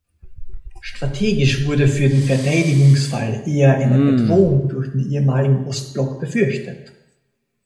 Strategisch wurde für den Verteidigungsfall eher eine Bedrohung durch den ehemaligen Ostblock befürchtet.